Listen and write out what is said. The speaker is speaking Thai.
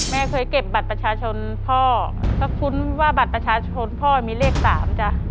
แม่เคยเก็บบัตรประชาชนพ่อก็คุ้นว่าบัตรประชาชนพ่อมีเลข๓จ้ะ